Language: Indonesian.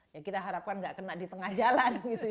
ya kita harapkan nggak kena di tengah jalan gitu